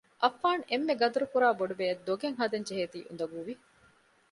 އައްފާން އެންމެ ޤަދަރުކުރާ ބޮޑުބެއަށް ދޮގެއް ހަދަން ޖެހޭތީ އުނދަގޫވި